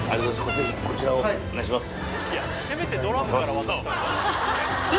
ぜひこちらをお願いします